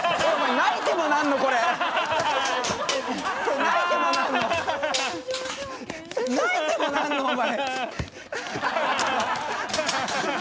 泣いてもなんの？お前。